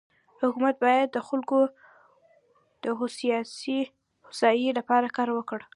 حکومت بايد د خلکو دهوسايي لپاره کار وکړي.